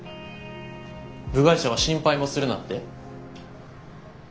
部外者は心配もするなって？